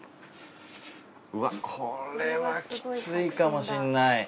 うわこれはきついかもしんない。